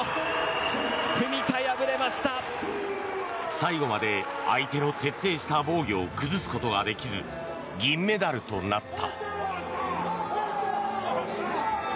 最後まで相手の徹底した防御を崩すことができず銀メダルとなった。